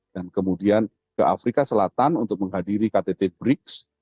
dan kemudian ke afrika selatan untuk menghadiri ktt brics